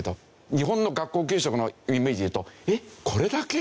日本の学校給食のイメージでいると「えっこれだけ？」